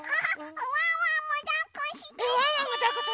ワンワンもだっこしてして！